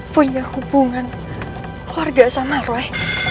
punya hubungan keluarga sama roy